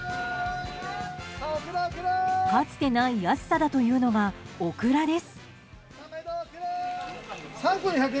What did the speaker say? かつてない安さだというのがオクラです。